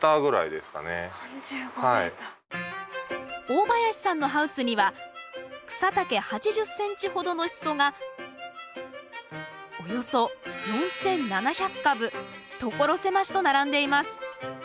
大林さんのハウスには草丈８０ｃｍほどのシソがおよそ４，７００株所狭しと並んでいます。